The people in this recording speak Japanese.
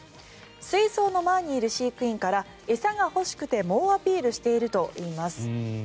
水槽の前にいる飼育員から餌が欲しくて猛アピールしているといいます。